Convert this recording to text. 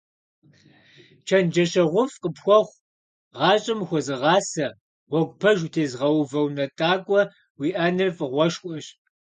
ЧэнджэщэгъуфӀ къыпхуэхъу, гъащӀэм ухуэзыгъасэ, гъуэгу пэж утезыгъэувэ унэтӀакӀуэ уиӀэныр фӀыгъуэшхуэщ.